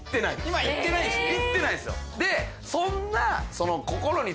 今行ってないんですね？